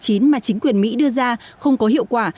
đây là những điều mà chính quyền mỹ đưa ra không có hiệu quả